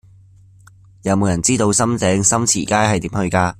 有無人知道深井深慈街係點去㗎